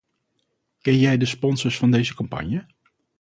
Ken jij de sponsors van deze campagne?